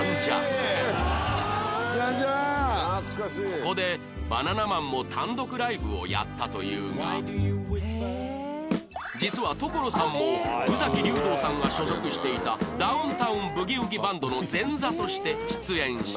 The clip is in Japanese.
ここでバナナマンも単独ライブをやったというが実は所さんも宇崎竜童さんが所属していたダウン・タウン・ブギウギ・バンドの前座として出演していた